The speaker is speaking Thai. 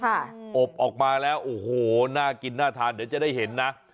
อบออกมาแล้วโอ้โหน่ากินน่าทานเดี๋ยวจะได้เห็นนะ